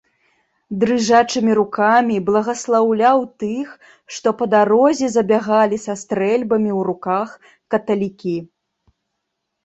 Дрыжачымі рукамі благаслаўляў тых, што па дарозе забягалі са стрэльбамі ў руках, каталікі.